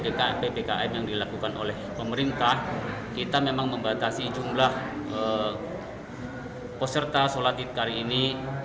ppkm yang dilakukan oleh pemerintah kita memang membatasi jumlah peserta sholat idhari ini